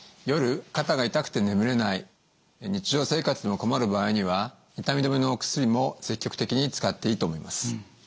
夜肩が痛くて眠れない日常生活も困る場合には痛み止めのお薬も積極的に使っていいと思います。